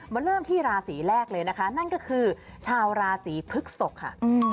มาเริ่มที่ราศรีแรกเลยคือชาวราศรีพึกศกค่ะ